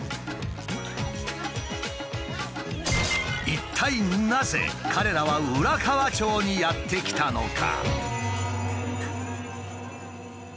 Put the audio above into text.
一体なぜ彼らは浦河町にやって来たのか？